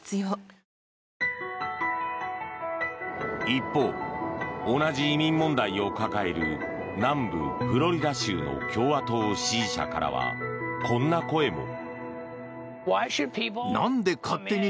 一方、同じ移民問題を抱える南部フロリダ州の共和党支持者からはこんな声も。